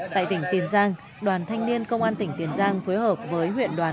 tại tỉnh tiền giang đoàn thanh niên công an tỉnh tiền giang phối hợp với huyện đôn xuân b